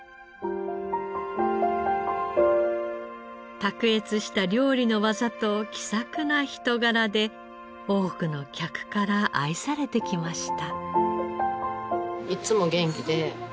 卓越した料理の技と気さくな人柄で多くの客から愛されてきました。